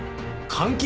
監禁！？